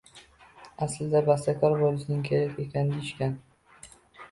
“Aslida bastakor bo’lishing kerak ekan”, deyishgan.